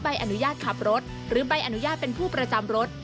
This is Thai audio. ใบอนุญาตขับรถหรือใบอนุญาตเป็นผู้ประจำรถ